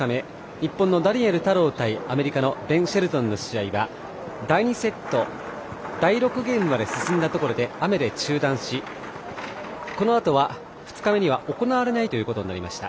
日本のダニエル太郎対アメリカのベン・シェルトンの試合が第２セット第６ゲームまで進んだところで雨で中断し、このあとは２日目には行われないということになりました。